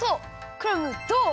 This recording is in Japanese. クラムどう？